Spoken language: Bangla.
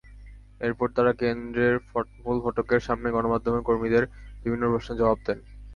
এরপর তাঁরা কেন্দ্রের মূল ফটকের সামনে গণমাধ্যমের কর্মীদের বিভিন্ন প্রশ্নের জবাব দেন।